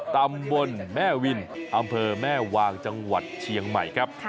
ตำบลแม่วินอำเภอแม่วางจังหวัดเชียงใหม่ครับ